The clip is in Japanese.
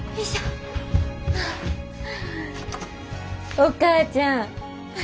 お母ちゃん